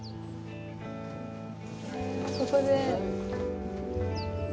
ここで。